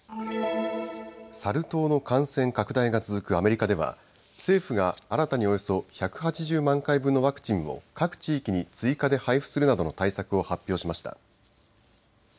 サル痘の感染拡大が続くアメリカでは、政府が新たにおよそ１８０万回分のワクチンを各地域に追加で配布するなどの対策を発表しました。